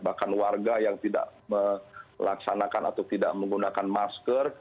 bahkan warga yang tidak melaksanakan atau tidak menggunakan masker